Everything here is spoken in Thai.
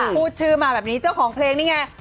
พูดชื่อมาแบบนี้เจ้าของเพลงนี่ไง